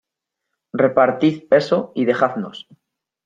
repartid eso y dejadnos.